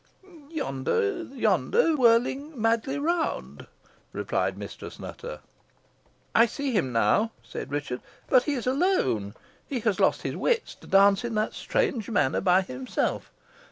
"Yonder, yonder, whirling madly round," replied Mistress Nutter. "I see him now," said Richard, "but he is alone. He has lost his wits to dance in that strange manner by himself.